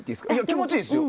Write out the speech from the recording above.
気持ちいいですよ。